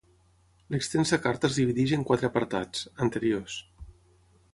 L'extensa carta es divideix en quatre apartats: "Anteriors.